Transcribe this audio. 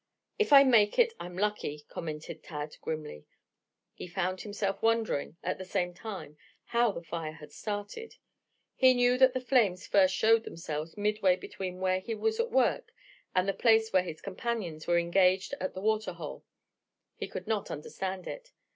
"If I make it I'm lucky," commented Tad grimly. He found himself wondering, at the same time, how the fire had started. He knew that the flames first showed themselves midway between where he was at work and the place where his companions were engaged at the water hole. He could not understand it.